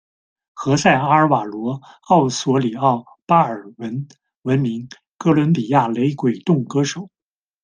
何塞·阿尔瓦罗·奥索里奥·巴尔文闻名，哥伦比亚雷鬼动歌手。